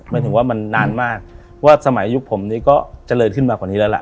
หมายถึงว่ามันนานมากว่าสมัยยุคผมนี้ก็เจริญขึ้นมากว่านี้แล้วล่ะ